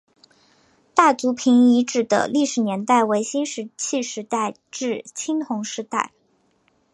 大族坪遗址的历史年代为新石器时代至青铜时代。